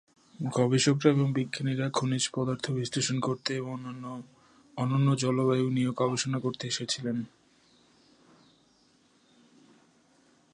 গবেষকরা এবং বিজ্ঞানীরা খনিজ পদার্থ বিশ্লেষণ করতে এবং অনন্য জলবায়ু নিয়ে গবেষণা করতে এসেছিলেন।